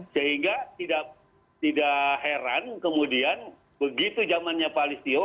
sehingga tidak heran kemudian begitu zamannya pak listio